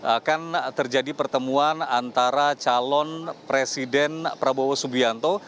akan terjadi pertemuan antara calon presiden prabowo subianto